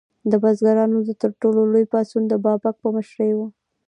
د بزګرانو تر ټولو لوی پاڅون د بابک په مشرۍ و.